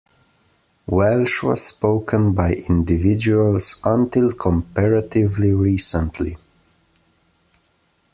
Welsh was spoken by individuals until comparatively recently.